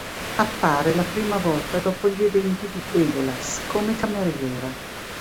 Appare la prima volta dopo gli eventi di Edolas come cameriera.